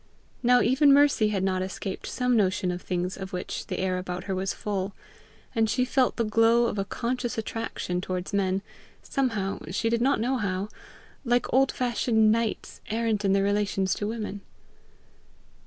Now even Mercy had not escaped some notion of things of which the air about her was full; and she felt the glow of a conscious attraction towards men somehow, she did not know how like old fashioned knights errant in their relations to women.